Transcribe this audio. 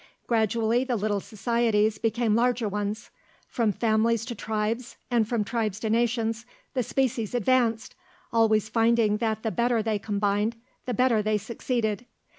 Gradually the little societies became larger ones. From families to tribes, and from tribes to nations the species advanced, always finding that the better they combined, the better they succeeded.